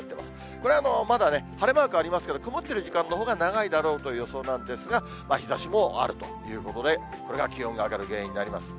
これは、まだ晴れマークありますけれども、曇っている時間のほうが長いだろうという予想なんですが、日ざしもあるということで、これが気温が上がる原因になります。